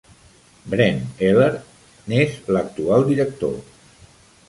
Brent Eller n'és l'actual director.